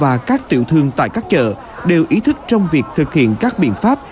các bệnh nhân và các tiểu thương tại các chợ đều ý thức trong việc thực hiện các biện pháp